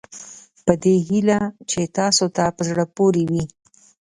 په دې هیله چې تاسوته په زړه پورې وي.